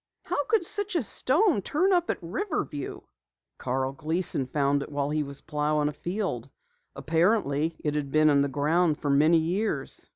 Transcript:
"How could such a stone turn up at Riverview?" "Carl Gleason found it while he was plowing a field. Apparently, it had been in the ground for many years."